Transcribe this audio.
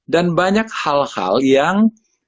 dan banyak hal hal yang